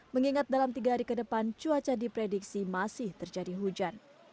mengingat dalam tiga hari ke depan cuaca diprediksi masih terjadi hujan